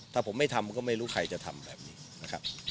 ถ้าผมไม่ทำก็ไม่รู้ใครจะทำแบบนี้นะครับ